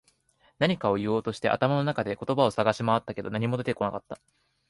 何かを言おうとして、頭の中で言葉を探し回ったけど、何も出てこなかった。